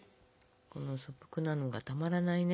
この素朴なのがたまらないね。